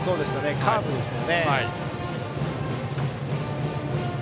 カーブですよね。